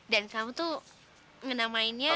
dan kamu tuh ngenamainnya